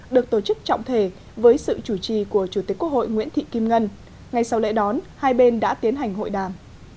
được tổ chức trọng thể với sự chủ trì của chủ tịch quốc hội nguyễn thị kim ngân ngay sau lễ đón hai bên đã tiến hành hội đàm